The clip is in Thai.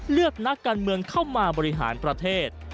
เลือกนักการเมืองเข้ามาบริหารประเทศ